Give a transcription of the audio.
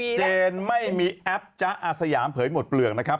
เจนไม่มีแอปจ๊ะอาสยามเผยหมดเปลือกนะครับ